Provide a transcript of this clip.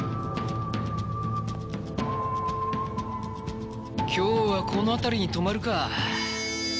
今日はこの辺りに泊まるか。